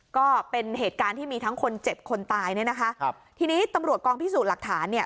ก็เป็นเหตุการณ์ที่มีทั้งคนเจ็บคนตายเนี่ยนะคะครับทีนี้ตำรวจกองพิสูจน์หลักฐานเนี่ย